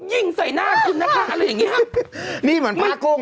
ยิงใส่หน้าคุณนะคะอะไรอย่างเงี้ฮะนี่เหมือนป้ากุ้ง